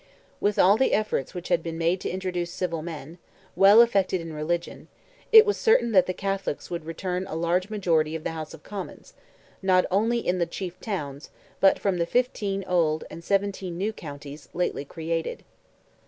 With all the efforts which had been made to introduce civil men, well affected in religion, it was certain that the Catholics would return a large majority of the House of Commons, not only in the chief towns, but from the fifteen old, and seventeen new counties, lately created.